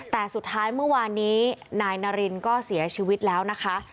แต่สุดท้ายเมื่อวานนี้นายนารินก็เสียชีวิตแล้วนะคะ